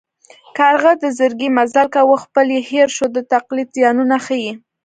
کارغه د زرکې مزل کاوه خپل یې هېر شو د تقلید زیانونه ښيي